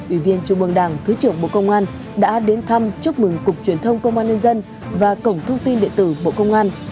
ủy viên trung bưng đảng thứ trưởng bộ công an đã đến thăm chúc mừng cục truyền thông công an nhân dân và cổng thông tin điện tử bộ công an